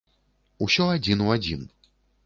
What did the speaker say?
Усё адзін у адзін!